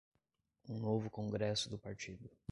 um novo Congresso do Partido